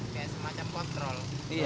kayak semacam kontrol